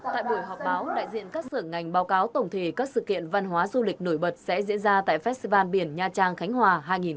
tại buổi họp báo đại diện các sở ngành báo cáo tổng thể các sự kiện văn hóa du lịch nổi bật sẽ diễn ra tại festival biển nha trang khánh hòa hai nghìn một mươi chín